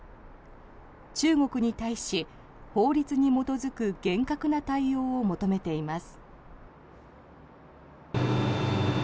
中国に対し、法律に基づく厳格な対応を求めています。